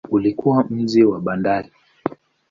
Ulikuwa mji wa bandari.